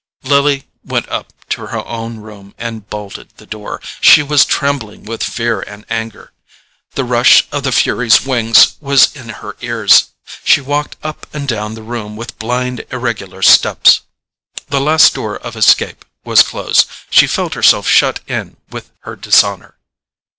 Lily went up to her own room and bolted the door. She was trembling with fear and anger—the rush of the furies' wings was in her ears. She walked up and down the room with blind irregular steps. The last door of escape was closed—she felt herself shut in with her dishonour.